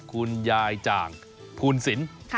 คุณยายจ่างภูนศิลป์